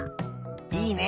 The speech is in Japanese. いいね。